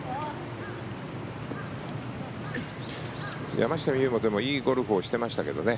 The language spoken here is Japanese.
山下美夢有も、いいゴルフをしていましたけどね。